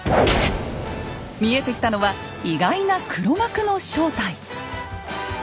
見えてきたのは意外な黒幕の正体！